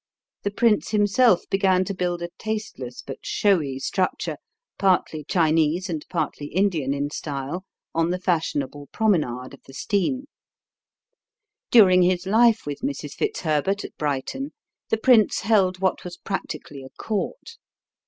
The prince himself began to build a tasteless but showy structure, partly Chinese and partly Indian in style, on the fashionable promenade of the Steyne. During his life with Mrs. Fitzherbert at Brighton the prince held what was practically a court.